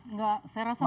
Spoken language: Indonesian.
nggak saya rasa menengah